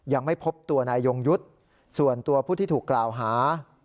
ยังไม่พบตัวนายยงยุทธ์ส่วนตัวผู้ที่ถูกกล่าวหา